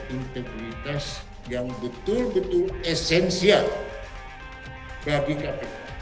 integritas yang betul betul esensial bagi kpk